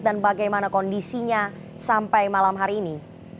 dan bagaimana kondisinya sampai malam hari ini